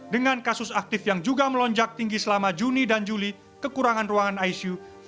dengan kasus aktif yang juga melonjak tinggi selama juni dan juli kekurangan ruangan icu